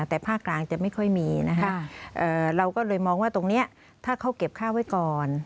แต่ภาคกลางจะไม่ค่อยมีนะคะเราก็เลยมองว่าตรงนี้ถ้าเขาเก็บค่าไว้ก่อน